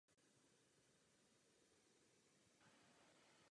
Domovským oddílem byl Tenisový klub Sparta Praha.